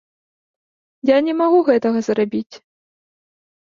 Я не магу гэтага зрабіць.